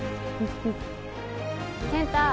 健太